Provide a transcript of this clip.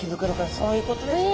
そういうことですね。